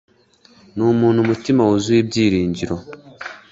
Numuntu umutima wuzuye ibyiringiro.